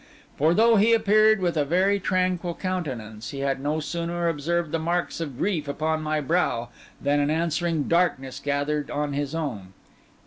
For though he appeared with a very tranquil countenance, he had no sooner observed the marks of grief upon my brow than an answering darkness gathered on his own.